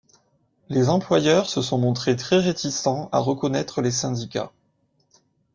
Les employeurs se sont montrés très réticents à reconnaître les syndicats.